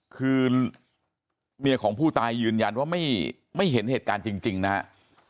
คือเมียของผู้ตายยืนยันว่าไม่เห็นเหตุการณ์จริงนะครับ